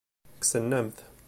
Kksen-am-t.